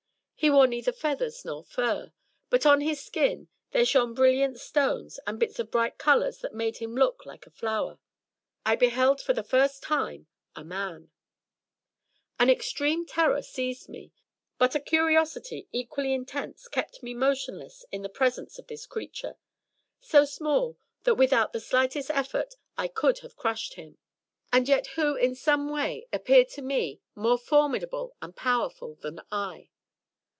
He wore neither feathers nor fur; but on his skin there shone brilliant stones, and bits of bright colours that made him look like a flower! / beheld for the first time a Man. An extreme terror seized me; but a curiosity equally intense kept me motionless in the presence of this creature — so small that without the slightest effort I could have crushed him, and who yet ♦ From Memoirs of a White Elephant. Copyrighted by Duffield & Company. THE TREASURE CHEST in some way appeared to me more formidable and powerful than I.